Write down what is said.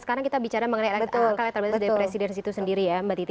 sekarang kita bicara mengenai elektabilitas dari presiden itu sendiri ya mbak titi